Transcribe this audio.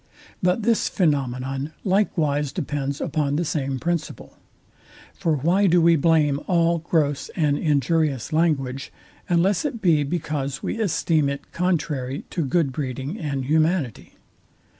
But this phænomenon likewise depends upon the same principle. For why do we blame all gross and injurious language, unless it be, because we esteem it contrary to good breeding and humanity?